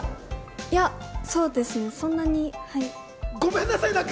いや、そうですね、そんなに、はい。